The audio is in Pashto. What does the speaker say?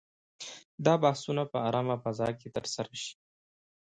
دا بحثونه په آرامه فضا کې ترسره شي.